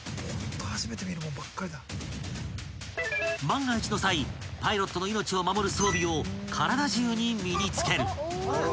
［万が一の際パイロットの命を守る装備を体中に身に着ける］